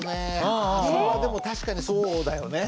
あそれはでも確かにそうだよね。